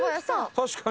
確かに。